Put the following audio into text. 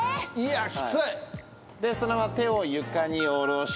きつい。でそのまま手を床に下ろして。